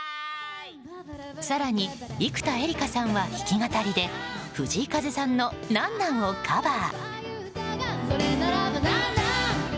更に生田絵梨花さんは弾き語りで藤井風さんの「何なんｗ」をカバー。